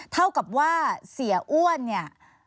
เท่ากับว่าเสียอ้วนเนี่ย